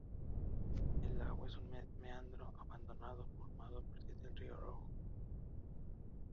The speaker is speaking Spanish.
El lago es un meandro abandonado formado a partir del río Rojo.